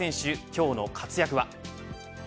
今日の活躍は。